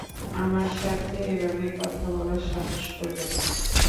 আমার সাথে এভাবে কথা বলার সাহস করবেন না।